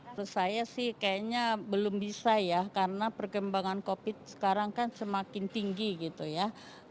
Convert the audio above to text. menurut saya sih kayaknya belum bisa ya karena perkembangan covid sekarang kan semakin tinggi gitu ya